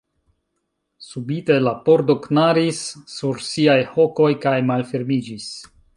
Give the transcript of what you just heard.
Subite la pordo knaris sur siaj hokoj kaj malfermiĝis.